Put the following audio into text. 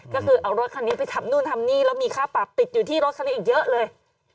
ก็คือเอารถคันนี้ไปทำนู่นทำนี่แล้วมีค่าปรับติดอยู่ที่รถคันนี้อีกเยอะเลย